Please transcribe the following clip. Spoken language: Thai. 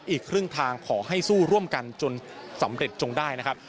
อีกครึ่งทางขอให้สู้ร่วมกันจนสำเร็จจงได้นะครับ